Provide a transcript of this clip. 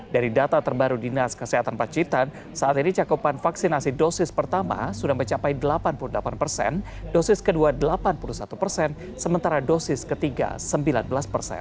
dari data terbaru dinas kesehatan pacitan saat ini cakupan vaksinasi dosis pertama sudah mencapai delapan puluh delapan persen dosis kedua delapan puluh satu persen sementara dosis ketiga sembilan belas persen